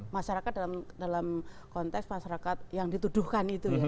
masyarakat dalam konteks masyarakat yang dituduhkan itu ya